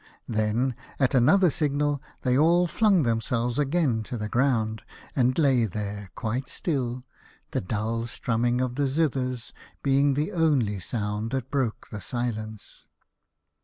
Then at another signal they all flung themselves again to the ground and lay there quite still, the dull strumming of the zithers being the only sound that broke the silence.